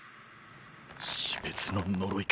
死別の呪いか。